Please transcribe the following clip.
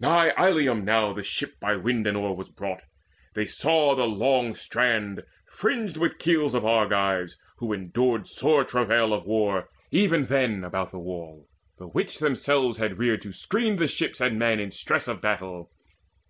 Nigh Ilium now the ship by wind and oar Was brought: they saw the long strand fringed with keels Of Argives, who endured sore travail of war Even then about the wall, the which themselves Had reared to screen the ships and men in stress Of battle.